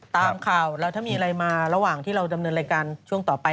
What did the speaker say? ตามข่าวแล้วถ้ามีอะไรมาระหว่างที่เราดำเนินรายการช่วงต่อไป